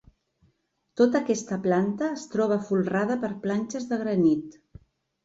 Tota aquesta planta es troba folrada per planxes de granit.